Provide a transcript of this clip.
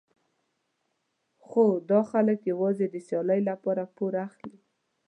خو دا خلک یوازې د سیالۍ لپاره پور اخلي.